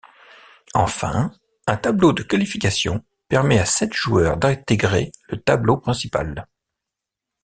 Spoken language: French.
Enfin, un tableau de qualification permet à sept joueurs d’intégrer le tableau principal.